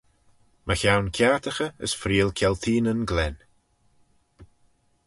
Mychione kiartaghey as freayll kialteenyn glen.